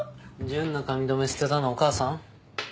純の髪留め捨てたのお母さん？